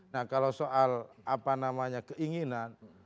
nah kalau soal apa namanya keinginan